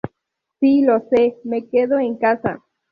Si lo sé, me quedo en casa